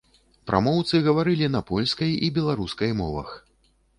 Прамоўцы гаварылі на польскай і беларускай мовах.